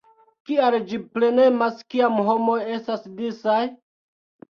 Kial ĝi plenemas kiam homoj estas disaj?